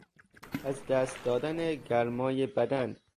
از دست دادن گرمای بدن